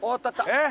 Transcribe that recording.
えっ？